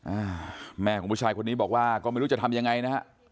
อ่าแม่ของผู้ชายคนนี้บอกว่าก็ไม่รู้จะทำยังไงนะฮะ